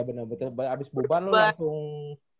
oh iya bener abis bubar lu langsung